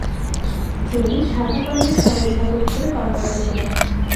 তিনি ঢাকা কলেজের সহঅধ্যাপক হিসেবে কর্মরত ছিলেন।